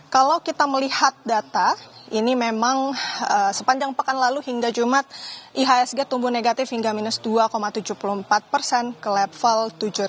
kalau kita melihat data ini memang sepanjang pekan lalu hingga jumat ihsg tumbuh negatif hingga minus dua tujuh puluh empat persen ke level tujuh